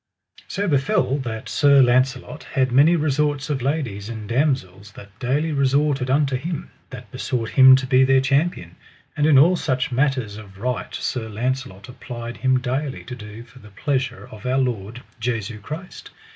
So befell that Sir Launcelot had many resorts of ladies and damosels that daily resorted unto him, that besought him to be their champion, and in all such matters of right Sir Launcelot applied him daily to do for the pleasure of Our Lord, Jesu Christ.